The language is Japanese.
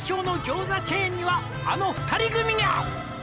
「餃子チェーンにはあの２人組が」